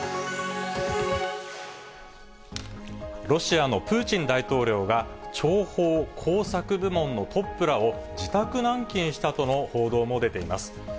ロシアのプーチン大統領が、諜報・工作部門のトップらを自宅軟禁したとの報道も出ています。